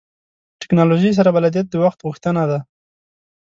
ټکنالوژۍ سره بلدیت د وخت غوښتنه ده.